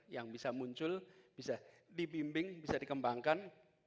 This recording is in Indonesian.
yang bisa muncul bisa dibimbing bisa dikembangkan